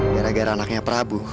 gara gara anaknya prabu